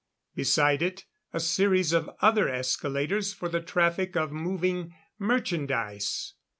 Beside it, a series of other escalators for the traffic of moving merchandise.